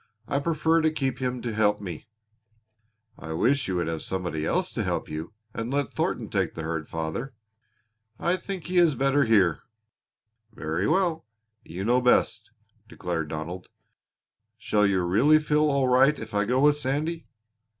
I prefer to keep him to help me." "I wish you would have somebody else to help you and let Thornton take the herd, father." "I think he is better here." "Very well. You know best," declared Donald. "Shall you really feel all right if I go with Sandy?"